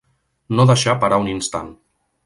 No deixar parar un instant.